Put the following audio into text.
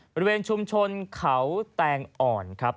บริเวณชุมชนเขาแตงอ่อนครับ